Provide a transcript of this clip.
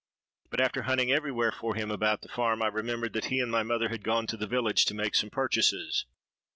But after hunting every where for him about the farm, I remembered that he and my mother had gone to the village to make some purchases.